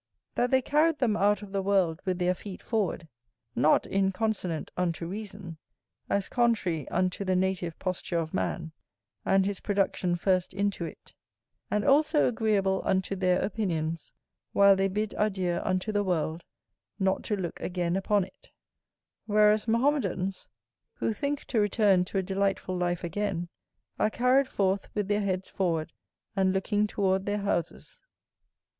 That they carried them out of the world with their feet forward, not inconsonant unto reason, as contrary unto the native posture of man, and his production first into it; and also agreeable unto their opinions, while they bid adieu unto the world, not to look again upon it; whereas Mahometans who think to return to a delightful life again, are carried forth with their heads forward, and looking toward their houses.